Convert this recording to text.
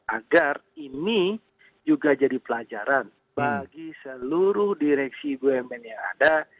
agar ini juga jadi pelajaran bagi seluruh direksi bumn yang ada